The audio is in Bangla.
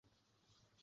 আমি বললাম, না দিপা।